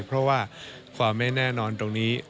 เพราะว่าความไม่แน่นอนตรงนี้